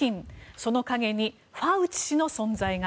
その陰にファウチ氏の存在が。